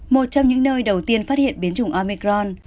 một trong những nơi đầu tiên phát hiện biến chủng omicron